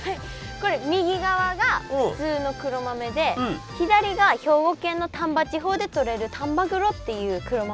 これ右側が普通の黒豆で左が兵庫県の丹波地方でとれる丹波黒っていう黒豆。